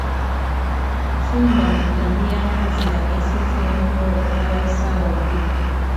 Fumba mu ntamu y'amazzi ageseze enyo okumala essaawa bbiri